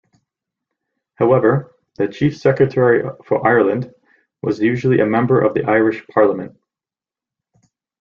However, the Chief Secretary for Ireland was usually a member of the Irish parliament.